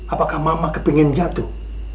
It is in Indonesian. apakah mama kepingin jatuh